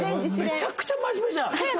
めちゃくちゃ真面目じゃん。